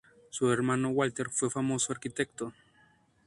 Su hermano Walter fue un famoso arquitecto.